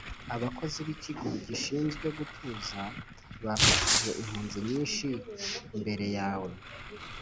Abakozi b ikigo gishinzwe gutuza bafashije impunzi nyinshi mbere yawe